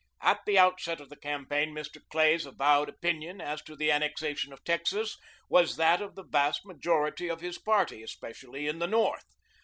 At the outset of the campaign Mr. Clay's avowed opinion as to the annexation of Texas was that of the vast majority of his party, especially in the North.